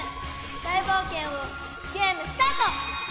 大冒険をゲームスタート！